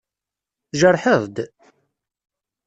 Tjerḥeḍ-d?